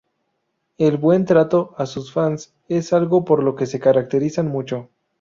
El buen trato a sus fans es algo por lo que se caracterizan mucho.